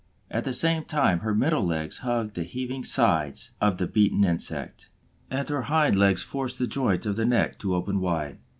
At the same time her middle legs hug the heaving sides of the beaten insect, and her hind legs force the joint of the neck to open wide.